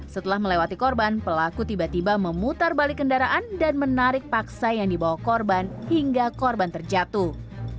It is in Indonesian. setelah melewati korban pelaku tiba tiba memutar balik kendaraan dan menarik paksa yang dibawa korban hingga korban terjatuh